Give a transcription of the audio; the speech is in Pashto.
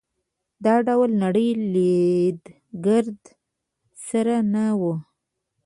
دا ډول نړۍ لید ګرد سره نه وو.